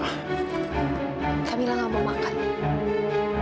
kak mila gak mau makan